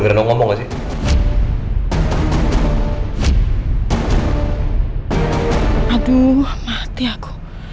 karena aku harus pergi